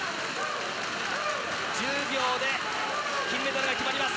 １０秒で金メダルが決まります